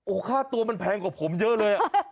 โอ้โหค่าตัวมันแพงกว่าผมเยอะเลย